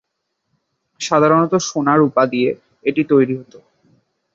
সাধারণতঃ সোনা, রূপা দিয়ে এটি তৈরী হতো।